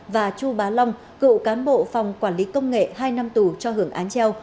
và chu bá long cựu cán bộ phòng quản lý công nghệ hai năm tù cho hưởng án treo